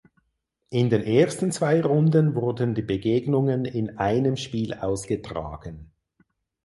In den ersten zwei Runden wurden die Begegnungen in einem Spiel ausgetragen.